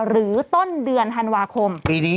หรือต้นเดือนฮันวาคม